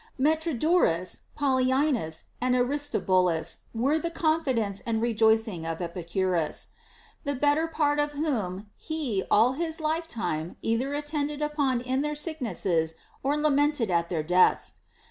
Metrodorus, Polyaenus, and Aristobulus were the confidence and rejoicing of Epicu rus ; the better part of whom he all his lifetime either attended upon in their sicknesses or lamented at their deaths.